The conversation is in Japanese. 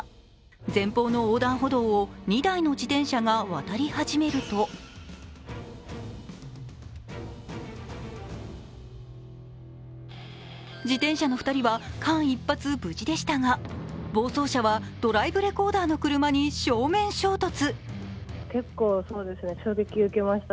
前方の横断歩道を２台の自転車が渡り始めると自転車の２人は間一髪、無事でしたが暴走車はドライブレコーダーの車に正面衝突。